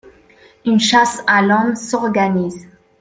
Une chasse à l’homme s’organise.